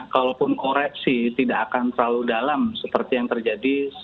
kalaupun koreksi tidak akan terlalu dalam seperti yang terjadi